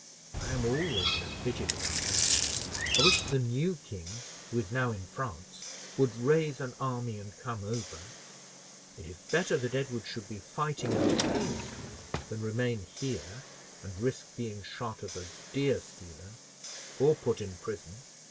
I am always in a fidget about him. I wish the new king, who is now in France would raise an army and come over. It is better that Edward should be fighting in the field than remain here and risk being shot as a deer stealer, or put in prison.